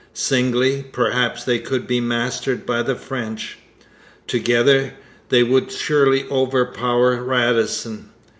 Singly, perhaps they could be mastered by the French. Together, they would surely overpower Radisson.